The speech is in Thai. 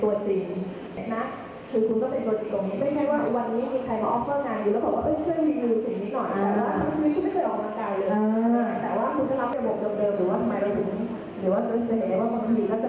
หรือว่าเกิดสิ่งแหละว่าบางทีก็จะมี